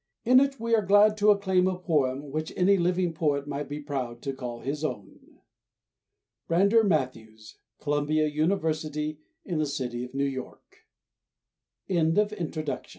In it we are glad to acclaim a poem which any living poet might be proud to call his own. BRANDER MATTHEWS. Columbia University in the City of New York. FIFTY YEARS & OTHER POEMS FIFTY YEARS 186